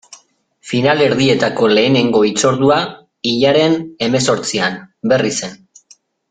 Finalerdietako lehenengo hitzordua, hilaren hemezortzian, Berrizen.